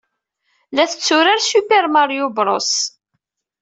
La tetturar Super Mario Bros.